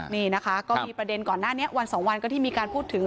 มีประเด็นก่อนหน้านี้วัน๒วันก็ที่มีการพูดถึง